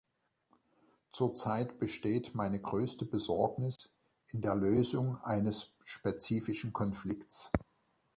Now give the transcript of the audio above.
Zur Zeit besteht meine größte Besorgnis in der Lösung eines spezifischen Konflikts.